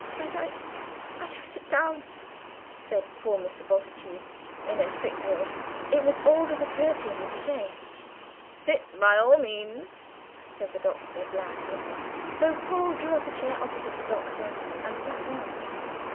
"Might I might I sit down?" said poor Mr. Bultitude in a thick voice; it was all that occurred to him to say. "Sit by all means," said the Doctor blandly. So Paul drew a chair opposite the Doctor and sat down.